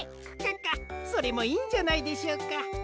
クカカそれもいいんじゃないでしょうか？